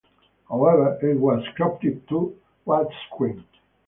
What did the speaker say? However, it was cropped to widescreen.